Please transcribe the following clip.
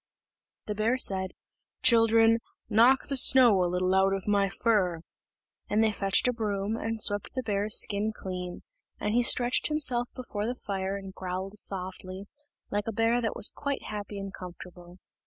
The bear said, "Children, knock the snow a little out of my fur;" and they fetched a broom, and swept the bear's skin clean; and he stretched himself before the fire and growled softly, like a bear that was quite happy and comfortable.